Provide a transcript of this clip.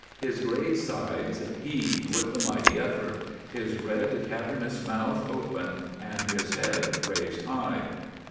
His great sides heaved with the mighty effort, his red, cavernous mouth open, and his head raised high.